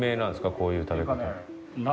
こういう食べ方。